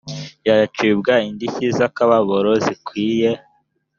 yacibwa indishyi z akababaro zikwiye